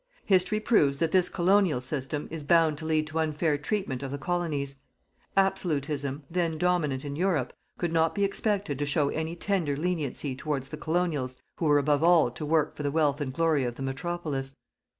History proves that this colonial system is bound to lead to unfair treatment of the colonies. Absolutism, then dominant in Europe, could not be expected to show any tender leniency towards the Colonials who were above all to work for the wealth and glory of the Metropolis.